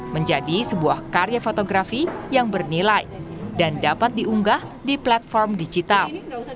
menjadi sebuah karya fotografi yang bernilai dan dapat diunggah di platform digital